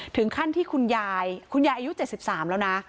ถึงขั้นที่คุณยายคุณยายอายุเจ็ดสิบสามแล้วนะ